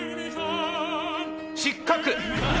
失格！